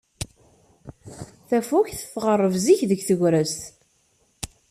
Tafukt tɣerreb zik deg tegrest.